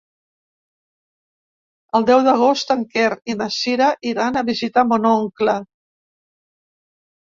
El deu d'agost en Quer i na Cira iran a visitar mon oncle.